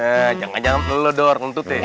eh jangan jangan pelu ledor kentut ya